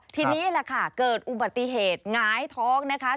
ทีนี้แหละค่ะเกิดอุบัติเหตุหงายท้องนะคะ